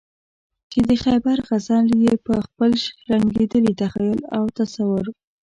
چې د خیبر غزل یې په خپل شرنګېدلي تخیل او تصور.